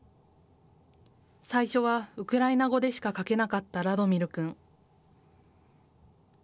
最初はウクライナ語でしか書けなかったラドミル君。